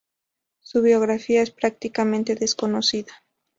Su biografía es prácticamente desconocida.